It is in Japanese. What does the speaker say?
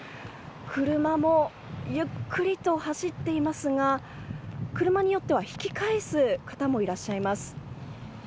車もゆっくりと走っていますが車によっては引き返す方もいらっしゃいます。